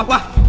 aku bisa hidup